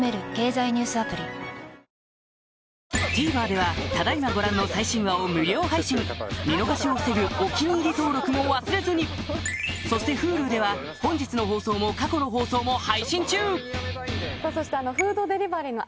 ＴＶｅｒではただ今ご覧の最新話を無料配信見逃しを防ぐ「お気に入り」登録も忘れずにそしてＨｕｌｕでは本日の放送も過去の放送も配信中そしてあのフードデリバリーの。